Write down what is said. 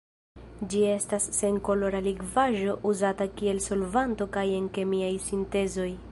Ĝi estas senkolora likvaĵo uzata kiel solvanto kaj en kemiaj sintezoj.